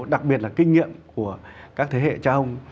đặc biệt là kinh nghiệm của các thế hệ cha ông